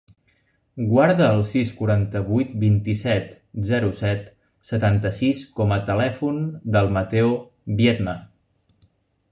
Guarda el sis, quaranta-vuit, vint-i-set, zero, set, setanta-sis com a telèfon del Matteo Viedma.